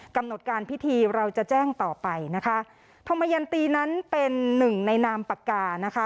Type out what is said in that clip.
กำหนดการพิธีเราจะแจ้งต่อไปนะคะธรรมยันตีนั้นเป็นหนึ่งในนามปากกานะคะ